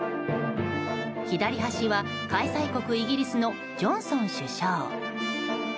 左端は、開催国イギリスのジョンソン首相。